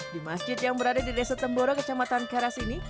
di masjid yang berada di desa tembora kecamatan karas ini